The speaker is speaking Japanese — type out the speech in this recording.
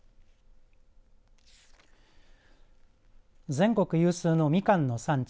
全国有数のみかんの産地